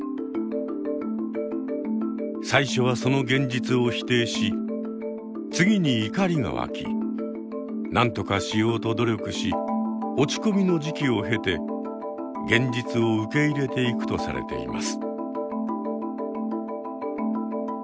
最初はその現実を否定し次に怒りが湧きなんとかしようと努力し落ち込みの時期を経て現実を受け入れていくとされています。